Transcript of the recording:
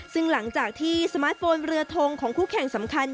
ซึ่งหลังจากที่สมาร์ทโฟนเรือทงของคู่แข่งสำคัญ